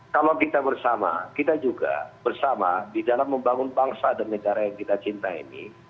kalau kita bersama kita juga bersama di dalam membangun bangsa dan negara yang kita cinta ini